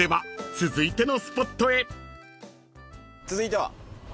続いては？